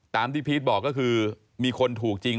ตามที่พีชบอกก็คือมีคนถูกจริง